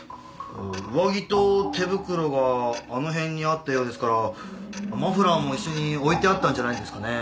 上着と手袋があの辺にあったようですからマフラーも一緒に置いてあったんじゃないですかね。